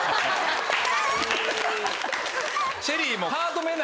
ＳＨＥＬＬＹも。